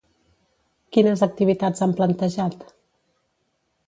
Quines activitats han plantejat?